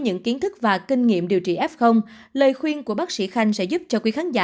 những kiến thức và kinh nghiệm điều trị f lời khuyên của bác sĩ khanh sẽ giúp cho quý khán giả